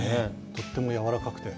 とってもやわらかくて。